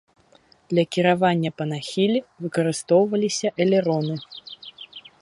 Для кіравання па нахіле выкарыстоўваліся элероны.